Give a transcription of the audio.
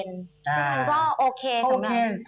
ทุกคนก็โอเค